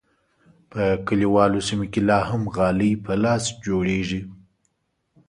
په کلیوالو سیمو کې لا هم غالۍ په لاس جوړیږي.